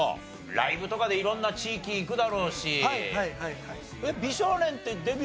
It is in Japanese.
ライブとかで色んな地域行くだろうし。